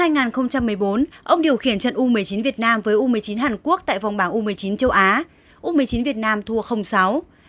năm hai nghìn một mươi bốn ông điều khiển trận u một mươi chín việt nam với u một mươi chín hàn quốc tại vòng bảng u một mươi chín châu á u một mươi chín việt nam thua sáu